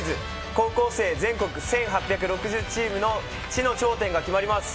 高校生全国１８６０チームの知の頂点が決まります。